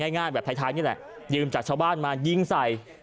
ง่ายแบบท้ายนี่แหละยืมจากชาวบ้านมายิงใส่